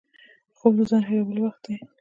خوب د ځان هېرولو وخت دی